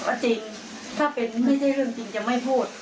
ก็จริงถ้าเป็นไม่ใช่เรื่องจริงจะไม่พูด